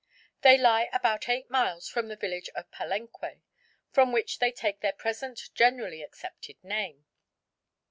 They lie about eight miles from the village of Palenque, from which they take their present generally accepted name.